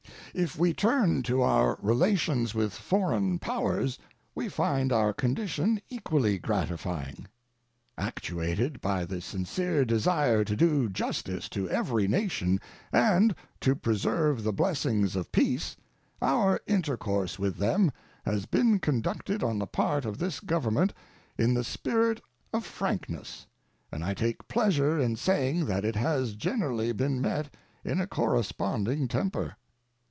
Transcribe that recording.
If we turn to our relations with foreign powers, we find our condition equally gratifying. Actuated by the sincere desire to do justice to every nation and to preserve the blessings of peace, our intercourse with them has been conducted on the part of this Government in the spirit of frankness; and I take pleasure in saying that it has generally been met in a corresponding temper.